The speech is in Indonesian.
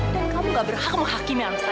dan kamu gak berhak menghakimi anak saya